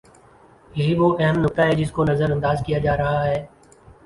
یہی وہ اہم نکتہ ہے جس کو نظر انداز کیا جا رہا ہے۔